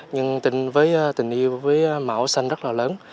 nhưng với tình yêu với màu xanh rất là lớn